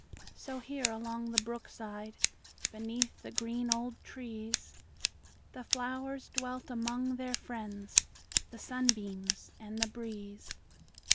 So here, along the brook side, Beneath the green old trees, The flowers dwelt among their friends, The sunbeams and the breeze.